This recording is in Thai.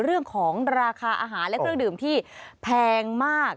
เรื่องของราคาอาหารและเครื่องดื่มที่แพงมาก